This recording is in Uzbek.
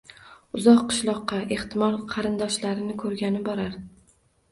Uzoq qishloqqa ehtimol qarindoshlarini koʻrgani borar.